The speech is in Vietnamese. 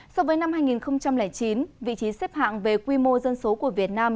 so với năm hai nghìn chín vị trí xếp hạng về quy mô dân số của việt nam